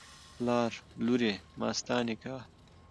پلار: لورې ماستا نکاح